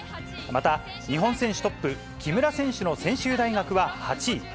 また、日本選手トップ、木村選手の専修大学は８位。